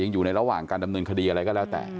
อยู่ในระหว่างการดำเนินคดีอะไรก็แล้วแต่